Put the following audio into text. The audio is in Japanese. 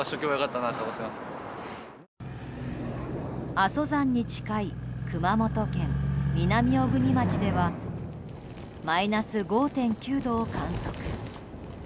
阿蘇山に近い熊本県南小国町ではマイナス５．９度を観測。